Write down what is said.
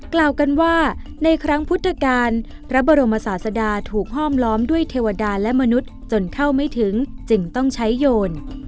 กล่าวกันว่าในครั้งพุทธกาลพระบรมศาสดาถูกห้อมล้อมด้วยเทวดาและมนุษย์จนเข้าไม่ถึงจึงต้องใช้โยน